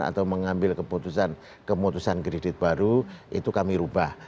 atau mengambil keputusan kredit baru itu kami ubah